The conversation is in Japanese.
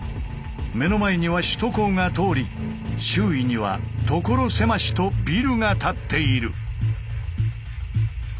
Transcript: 目の前には首都高が通り周囲には所狭しとビルが立っている。